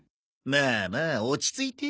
まあまあ落ち着いて。